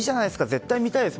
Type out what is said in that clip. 絶対見たいです。